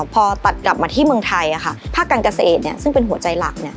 พอตัดกลับมาที่เมืองไทยภาคการเกษตรซึ่งเป็นหัวใจหลัก